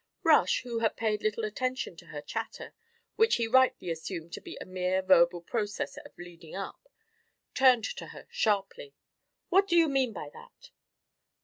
Rush, who had paid little attention to her chatter, which he rightly assumed to be a mere verbal process of "leading up," turned to her sharply. "What do you mean by that?"